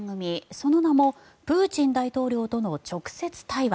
その名も「プーチン大統領との直接対話」。